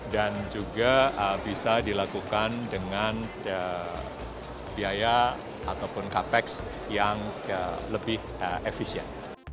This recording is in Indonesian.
dan juga bisa dilakukan dengan biaya ataupun capex yang lebih efisien